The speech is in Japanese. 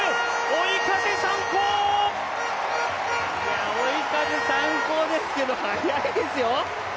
追い風参考ですけれども、速いですよ！